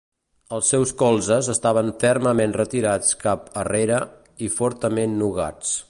Els seus colzes estaven fermament retirats cap arrere i fortament nugats.